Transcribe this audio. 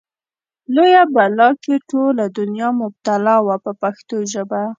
لویه بلا کې ټوله دنیا مبتلا وه په پښتو ژبه.